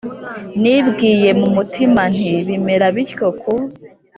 Nibwiye mu mutima nti Bimera bityo ku